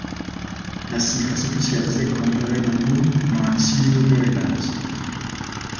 Las cifras oficiales de compra del álbum no han sido reveladas.